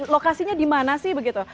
lokasinya di mana sih begitu